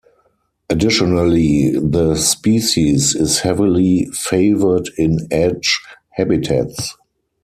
Additionally the species is heavily favored in edge habitats.